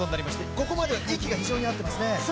ここまで息が非常に合ってますね。